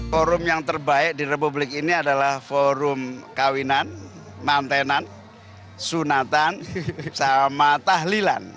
forum yang terbaik di republik ini adalah forum kawinan mantenan sunatan sama tahlilan